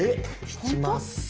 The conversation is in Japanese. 引きます。